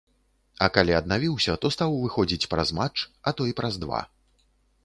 А калі аднавіўся, то стаў выходзіць праз матч, а то і праз два.